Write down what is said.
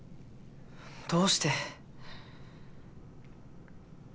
どうして？